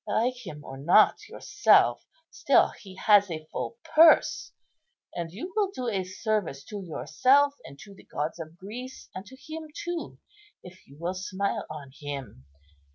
Like him or not yourself, still he has a full purse; and you will do a service to yourself and to the gods of Greece, and to him too, if you will smile on him.